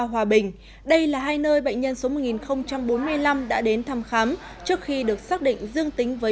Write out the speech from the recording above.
hòa bình đây là hai nơi bệnh nhân số một nghìn bốn mươi năm đã đến thăm khám trước khi được xác định dương tính với